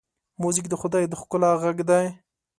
موزیک د خدای د ښکلا غږ دی.